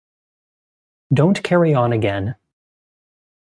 Don’t carry on again.